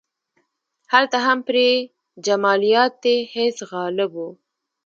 هلته هم پرې جمالیاتي حس غالب و.